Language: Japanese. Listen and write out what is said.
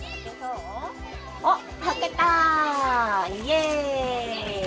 おはけたイエーイ！